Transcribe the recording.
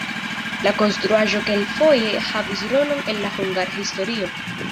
La konstruaĵo kelkfoje havis rolon en la hungara historio.